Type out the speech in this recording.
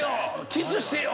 キスしてよ！」